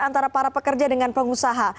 antara para pekerja dengan pengusaha